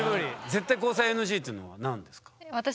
「絶対交際ＮＧ」っていうのは何ですか？